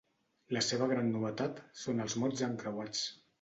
La seva gran novetat són els mots encreuats.